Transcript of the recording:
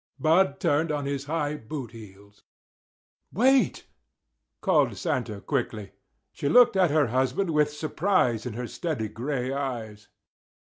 Bud turned on his high boot heels. "Wait!" called Santa quickly. She looked at her husband with surprise in her steady gray eyes.